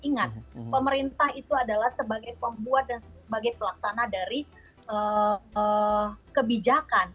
ingat pemerintah itu adalah sebagai pembuat dan sebagai pelaksana dari kebijakan